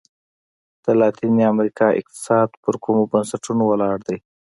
د لاتیني امریکا اقتصاد پر کومو بنسټونو ولاړ دی؟